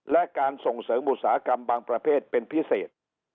และการส่งเสริมอุตสาหกรรมบางประเภทเป็นพิเศษ